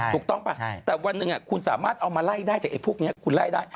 ถูกต้องป่ะแต่วันหนึ่งคุณสามารถเอามาไล่ได้จากไอ้พวกนี้คุณไล่ได้